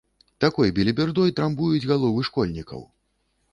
Такой белібердой трамбуюць галовы школьнікаў.